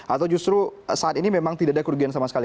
atau justru saat ini memang tidak ada kerugian sama sekali